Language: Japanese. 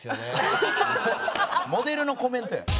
モデルのコメントや。